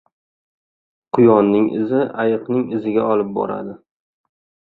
• Quyonning izi ayiqning iziga olib boradi.